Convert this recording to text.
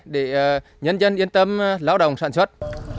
để nhân dân yên tâm lao động sản xuất